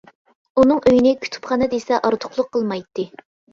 ئۇنىڭ ئۆيىنى كۇتۇپخانا دېسە ئارتۇقلۇق قىلمايتتى.